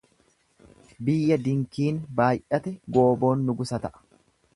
Biyya dinkiin baay'ate gooboon nugusa ta'a.